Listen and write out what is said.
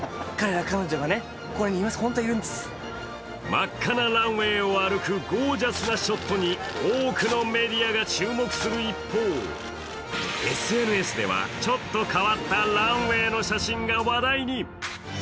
真っ赤なランウェイを歩くゴージャスなショットに多くのメディアが注目する一方、ＳＮＳでは、ちょっと変わったランウェイの写真が話題に。